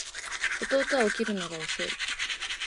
弟は起きるのが遅い